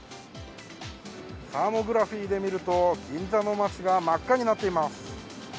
サーモグラフィで見ると銀座の街が真っ赤になっています。